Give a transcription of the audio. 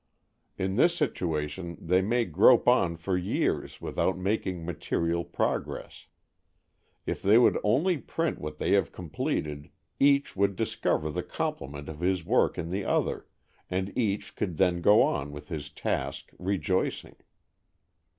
In this situation they may grope on for years without making material progress. If they would only print what they have completed, each would discover the complement of his work in the other, and each could then go on with his task rejoicing.